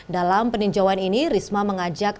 dalam peninjauan ini risma mengajak